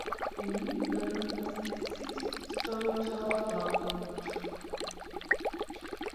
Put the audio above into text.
The main building was a six storey tower block.